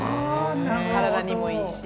体にもいいし。